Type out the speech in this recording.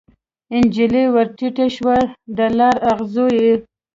نجلۍ ورټیټه شوه د لار اغزو یې